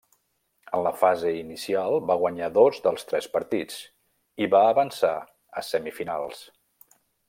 En la fase inicial va guanyar dos dels tres partits i va avançar a semifinals.